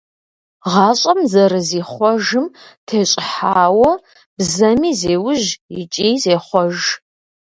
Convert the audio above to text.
ГъащӀэм зэрызихъуэжым тещӀыхьауэ бзэми зеужь икӀи зехъуэж.